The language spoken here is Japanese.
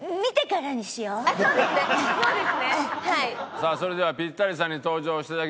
さあそれではピッタリさんに登場していただきましょう。